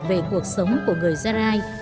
về cuộc sống của người gia rai